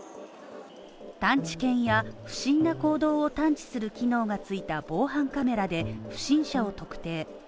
探知犬や不審な行動を探知する機能が付いた防犯カメラで不審者を特定。